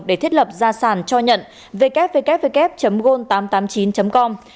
để thiết lập gia sản cho nhận www gôn tám trăm tám mươi chín com